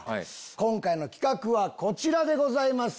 今回の企画はこちらでございます。